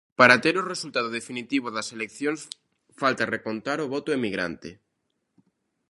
Para ter o resultado definitivo das eleccións falta recontar o voto emigrante.